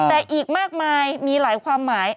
แต่อีกมากมายมีหลายความหมาย